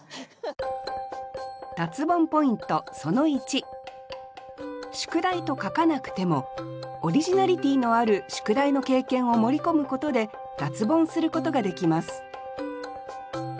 脱ボンポイントその１「宿題」と書かなくてもオリジナリティーのある「宿題」の経験を盛り込むことで脱ボンすることができます